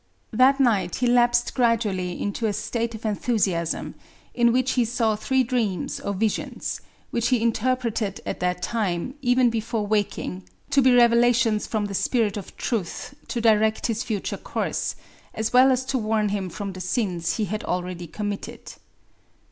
That night he lapsed gradually into a state of enthusiasm, in which he saw three dreams or visions, which he interpreted at the time, even before waking, to be revelations from the Spirit of Truth to direct his future course, as well as to warn him from the sins he had already committed.